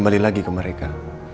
kembali lagi ke mereka